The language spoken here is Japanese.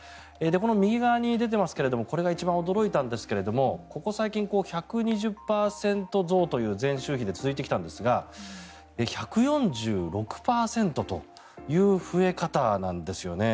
右側に出ていますがこれが一番驚いたんですけれどもここ最近１２０％増という前週比で続いてきたんですが１４６％という増え方なんですよね。